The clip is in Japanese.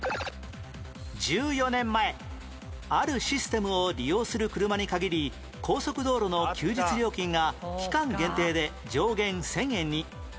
１４年前あるシステムを利用する車に限り高速道路の休日料金が期間限定で上限１０００円に